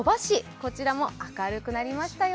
こちらも明るくなりましたよ。